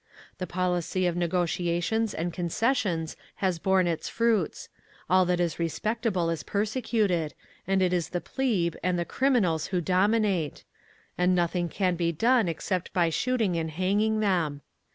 The policy of negotiations and concessions has borne its fruits; all that is respectable is persecuted, and it is the plebe and the criminals who dominate—and nothing can be done except by shooting and hanging them.